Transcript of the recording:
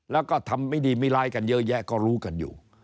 แล้วก็ทำไม่ดีไม่ร้ายกันเยอะแยะก็รู้กันอยู่